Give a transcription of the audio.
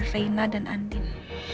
reina dan andin